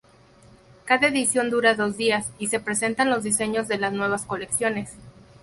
Cada edición dura dos días y se presentan los diseños de las nuevas colecciones.